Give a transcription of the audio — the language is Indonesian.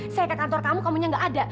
saya ke kantor kamu kamu yang nggak ada